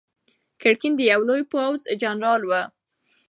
ګرګین د یوه لوی پوځ جنرال و.